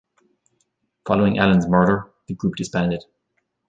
Following Allen's murder, the group disbanded.